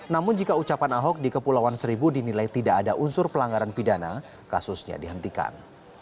namun jika ucapan ahok di kepulauan seribu dinilai tidak ada unsur pelanggaran pidana kasusnya dihentikan